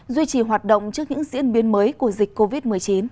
duy trì hoạt động trước những diễn biến mới của dịch covid một mươi chín